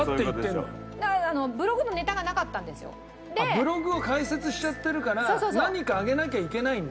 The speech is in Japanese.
ブログを開設しちゃってるから何か上げなきゃいけないんだ。